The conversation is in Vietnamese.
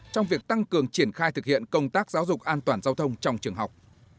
trong việc tăng cường triển khai thực hiện công tác giáo dục an toàn giao thông trong trường học